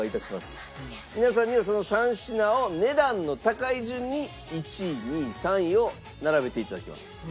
皆さんにはその３品を値段の高い順に１位２位３位を並べて頂きます。